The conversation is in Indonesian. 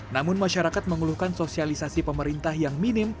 namun masyarakat mengeluhkan sosialisasi pemerintah yang minim